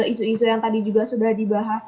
isu isu yang tadi juga sudah dibahas